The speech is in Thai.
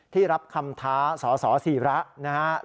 ที่รับคำท้าสสศรีระนะครับ